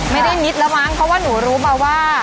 ไม่ได้นิดระวังเพราะว่าหนูรู้มาว่า